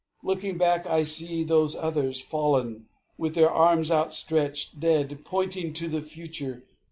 Looking back, I see Those others, fallen, with their arms outstretched Dead, pointing to the future.